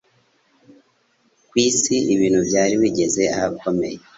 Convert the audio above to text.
Ku isi, ibintu byari bigeze ahakomeye,